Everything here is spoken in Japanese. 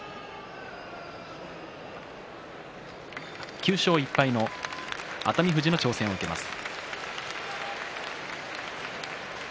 ９勝１敗の熱海富士の挑戦を受けます